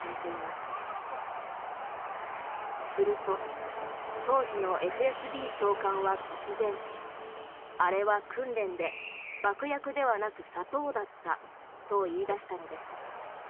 すると当時のＦＳＢ長官は突然あれは訓練で爆薬ではなく砂糖だったと言い出したのです。